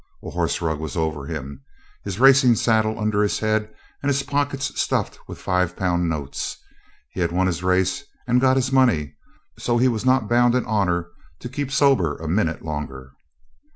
A horse rug was over him, his racing saddle under his head, and his pockets stuffed with five pound notes. He had won his race and got his money, so he was not bound in honour to keep sober a minute longer.